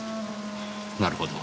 なるほど。